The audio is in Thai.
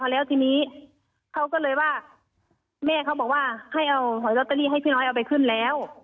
แล้วเขาเสนชื่อเขาไว้ข้างหลังไหมคะ